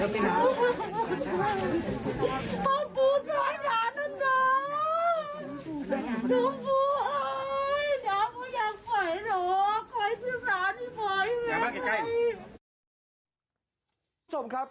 เป็นอาของคุณได้เชริงประสงครับ